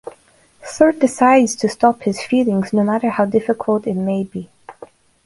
Third decides to stop his feelings no matter how difficult it may be.